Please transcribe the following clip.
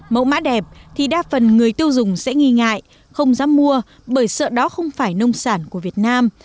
mẫu mã đẹp thì đa phần người tiêu dùng sẽ nghi ngại không dám mua bởi sợ đó không phải nông sản của việt nam